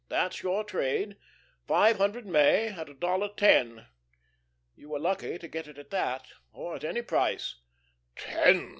"That's your trade. Five hundred May, at a dollar ten. You were lucky to get it at that or at any price." "Ten!"